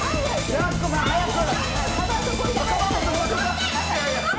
やすこさん、早く！